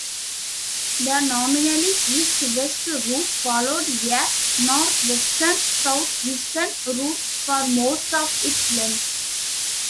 The nominally east-west route followed a northwestern-southeastern route for most of its length.